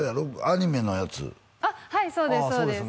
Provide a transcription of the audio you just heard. アニメのやつはいそうです